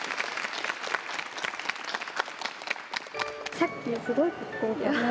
さっきすごい格好よかった。